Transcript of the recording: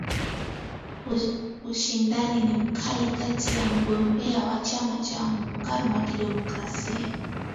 Ushindani ni mkali kati ya mgombea wa chama cha Muungano wa kidemokrasia